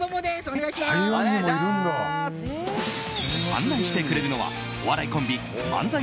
案内してくれるのはお笑いコンビ漫才